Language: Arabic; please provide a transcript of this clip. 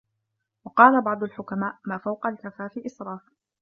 وَقَالَ بَعْضُ الْحُكَمَاءِ مَا فَوْقَ الْكَفَافِ إسْرَافٌ